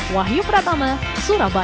wahyu pratama surabaya